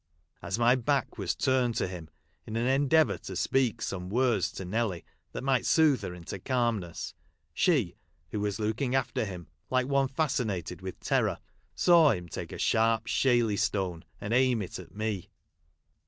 As my back was turned to him, in an endeavour to speak some words to Nelly that might: soothe her into calmness, she, Avho was looking after him, like one fascinated Avith terror, saw him take a sharp shaley stone, and aim it at me.